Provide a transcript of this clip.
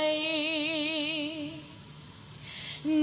อีกหนึ่ง